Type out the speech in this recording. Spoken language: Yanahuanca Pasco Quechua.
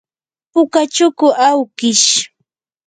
puka chuku awkish.